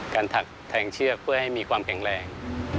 ถักแทงเชือกเพื่อให้มีความแข็งแรง